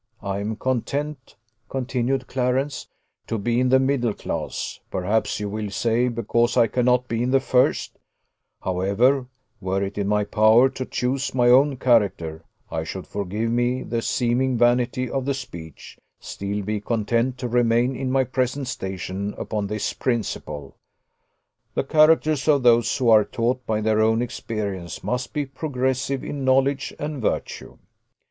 I am content," continued Clarence, "to be in the middle class perhaps you will say because I cannot be in the first: however, were it in my power to choose my own character, I should, forgive me the seeming vanity of the speech, still be content to remain in my present station upon this principle the characters of those who are taught by their own experience must be progressive in knowledge and virtue.